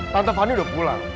tante fani udah pulang